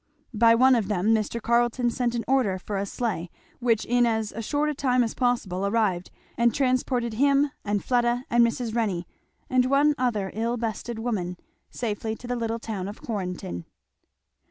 By one of them Mr. Carleton sent an order for a sleigh, which in as short a time as possible arrived, and transported him and Fleda and Mrs. Renney, and one other ill bestead woman, safely to the little town of Quarrenton.